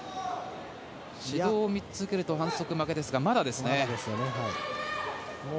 指導を３つ受けると反則負けですがまだですね。